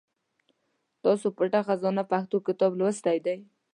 تاسو پټه خزانه پښتو کتاب لوستی دی ؟